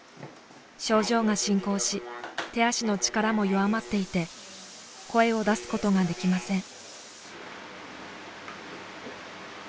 症状が進行し手足の力も弱まっていて声を出すことができません。